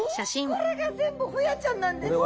これが全部ホヤちゃんなんですか。